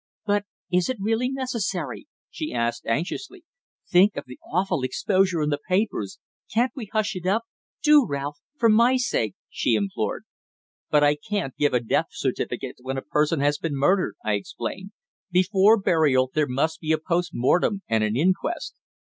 "But is it really necessary?" she asked anxiously. "Think of the awful exposure in the papers. Can't we hush it up? Do, Ralph for my sake," she implored. "But I can't give a death certificate when a person has been murdered," I explained. "Before burial there must be a post mortem and an inquest."